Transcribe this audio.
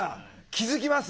気付きます？